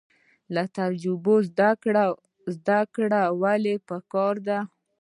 له تجربو زده کړه ولې پکار ده؟